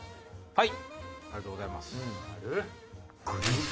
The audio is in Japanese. はい！